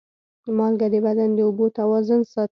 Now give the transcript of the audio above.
مالګه د بدن د اوبو توازن ساتي.